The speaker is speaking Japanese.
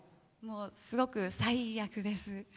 すごく最悪です。